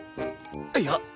いや